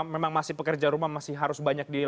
memang masih pekerjaan rumah masih harus